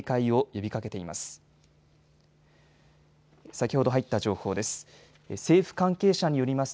先ほど入った情報です。